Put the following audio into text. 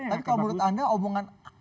tapi kalau menurut anda omongan